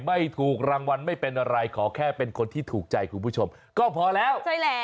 ไม่ถูกรางวัลไม่เป็นอะไรขอแค่เป็นคนที่ถูกใจคุณผู้ชมก็พอแล้ว